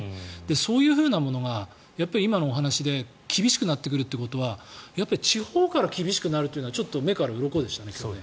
そういうものが今のお話で厳しくなるということは地方から厳しくなるというのはちょっと目からうろこでしたね。